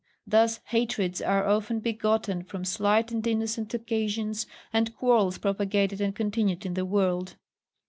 Thus hatreds are often begotten from slight and innocent occasions, and quarrels propagated and continued in the world.